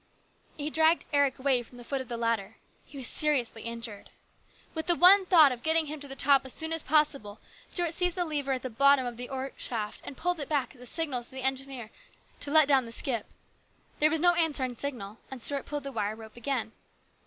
He dragged Eric away from the foot of the ladder. He was seriously injured. With the one thought of getting him to the top as soon as possible Stuart seized the lever at the bottom of the ore shaft and pulled it back as a signal to the engineer to let down the skip. There was no answering signal, and Stuart pulled the wire rope again.